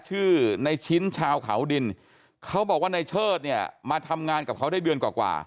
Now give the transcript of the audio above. ชื่อในชิ้นชาวเขาดินเขาบอกว่าในเชิดเนี่ยมาทำงานกับเขาได้เดือนกว่า